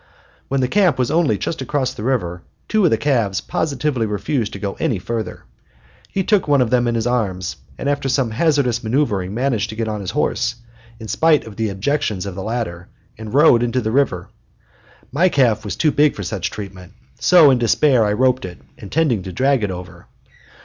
When the camp was only just across the river, two of the calves positively refused to go any further. He took one of them in his arms, and after some hazardous maneuvering managed to get on his horse, in spite of the objections of the latter, and rode into the river. My calf was too big for such treatment, so in despair I roped it, intending to drag it over.